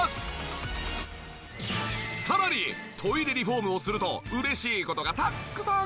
さらにトイレリフォームをすると嬉しい事がたくさん！